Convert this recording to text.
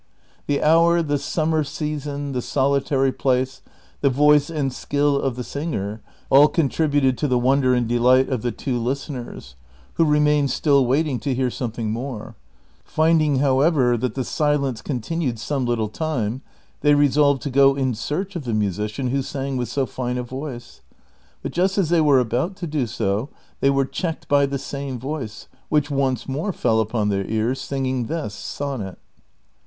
The hour, the summer season, the solitary place, the voice and skill of the singer, all contributed to the wonder and delight of the two listeners, who remained still waiting to hear some thing more; finding, however, that the silence continued some little time, they resolved to go in search of the musician who sang with so fine a voice ; but just as they were about to do so they were checked by the same voice, which once more fell upon their ears, singing this SONNET."